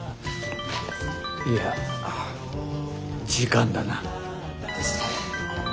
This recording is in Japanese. いや時間だな。ですね。